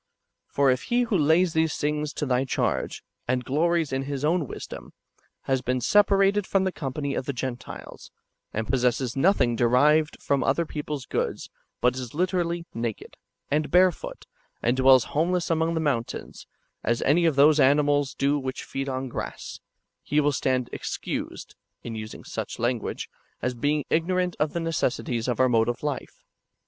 "^ For if he who lays these things to thy charge, and glories in his own wisdom, has been separated from the company of the Gentiles, and possesses nothing [derived from] other people's goods, but is literally naked, and barefoot, and dwells home less among the mountains, as any of those animals do which feed on grass, he will stand excused [in using such language], as beintr i^jnorant of the necessities of our mode of life.